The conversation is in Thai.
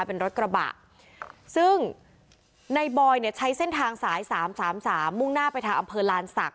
เป็นรถกระบะซึ่งในบอยเนี่ยใช้เส้นทางซ้าย๓๓๓มุ่งหน้าไปถาอำเภอลานศักดิ์